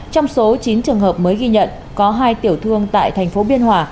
trong số chín trường hợp mới ghi nhận có hai tiểu thương tại thành phố biên hòa